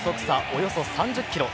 およそ３０キロ。